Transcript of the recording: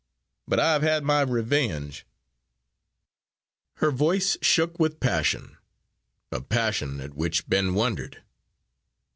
But I have had my revenge!" Her voice shook with passion, a passion at which Ben wondered.